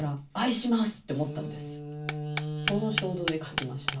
その衝動で書きました。